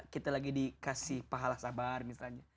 kita lagi dikasih pahala sabar misalnya